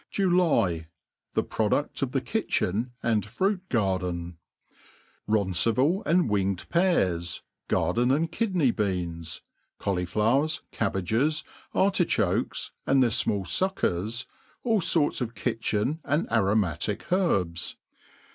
July.^Thi Produei of the Kitchen and Fruit Garden. RONCIVAL artd winged peas, garden and kidney beans, Qaulifiowers, cabbages, airtichokes, and tbeiiLfmaH fuckers, all iorts of kitchen and aroit^.atic herbs.